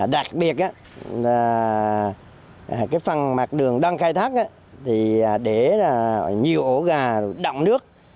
đặc biệt là phần mặt đường đoan khai thác để nhiều ổ gà đọng nước